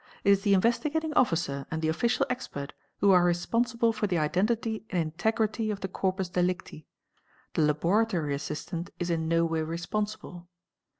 It is the Investigating Ofticer ant the official expert who are responsible for the identity and integrity of th corpus delicti; the laboratory assistant is in no way responsible.